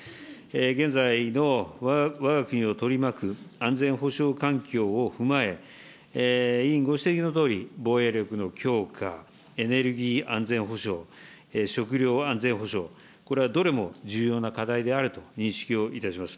現在のわが国を取り巻く安全保障環境を踏まえ、委員ご指摘のとおり、防衛力の強化、エネルギー安全保障、食料安全保障、これはどれも重要な課題であると認識をいたします。